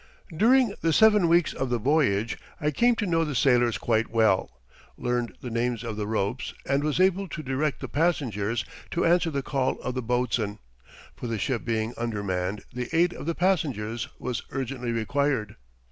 During the seven weeks of the voyage, I came to know the sailors quite well, learned the names of the ropes, and was able to direct the passengers to answer the call of the boatswain, for the ship being undermanned, the aid of the passengers was urgently required.